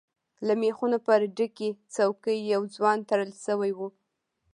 له ميخونو پر ډکې څوکی يو ځوان تړل شوی و.